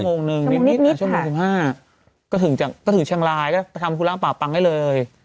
ชั่วโมงหนึ่งชั่วโมงนิดนิดชั่วโมงสิบห้าก็ถึงจากก็ถึงเชียงลายก็ไปทำธุระปะปังได้เลย